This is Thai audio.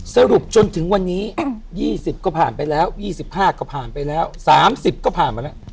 สรุปจนถึงวันนี้๒๐ก็ผ่านไปแล้ว๒๕ก็ผ่านไปแล้ว๓๐ก็ผ่านมาแล้ว